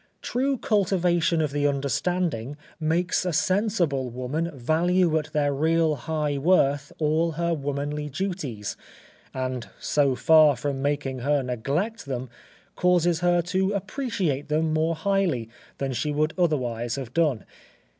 True cultivation of the understanding makes a sensible woman value at their real high worth all her womanly duties, and so far from making her neglect them, causes her to appreciate them more highly than she would otherwise have done.